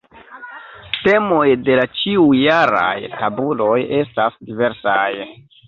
Temoj de la ĉiujaraj tabuloj estas diversaj.